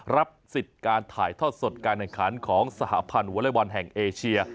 รับสิทธิ์การถ่ายทอดสดการแข่งขันของสหพันธ์วอเล็กบอลแห่งเอเชีย